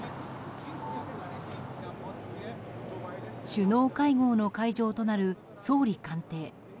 首脳会合の会場となる総理官邸。